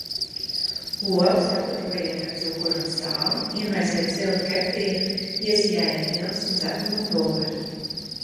Olu saputojiet ar cukuru un sāli, iemaisiet siltu kefīru, iesijājiet miltus un cepamo pulveri.